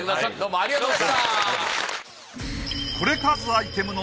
ありがとうございます。